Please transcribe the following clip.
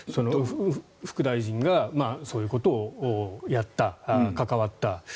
副大臣がそういうことをやった関わった。